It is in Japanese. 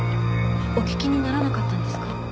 お聞きにならなかったんですか？